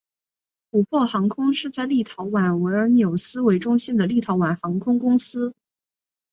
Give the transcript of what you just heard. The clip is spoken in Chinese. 琥珀航空是在立陶宛维尔纽斯为中心的立陶宛航空公司。